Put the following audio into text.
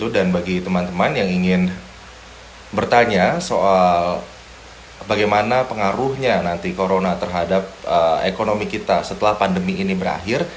dan bagi teman teman yang ingin bertanya soal bagaimana pengaruhnya nanti corona terhadap ekonomi kita setelah pandemi ini berakhir